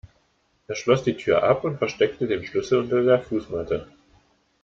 Er schloss die Tür ab und versteckte den Schlüssel unter der Fußmatte.